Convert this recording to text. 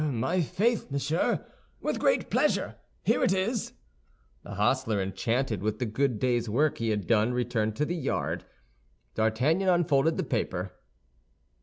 "My faith, monsieur, with great pleasure! Here it is!" The hostler, enchanted with the good day's work he had done, returned to the yard. D'Artagnan unfolded the paper.